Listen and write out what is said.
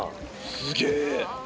すげえ